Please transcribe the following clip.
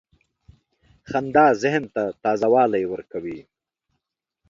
• خندا ذهن ته تازه والی ورکوي.